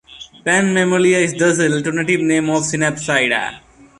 Pan-Mammalia is thus an alternative name for Synapsida.